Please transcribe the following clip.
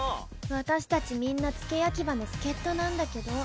私たちみんな付け焼き刃の助っ人なんだけど。